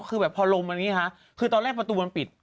คิดว่าตอนแรกประตุบนปิด